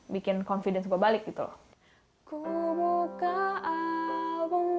bikin confidence gue balik gitu loh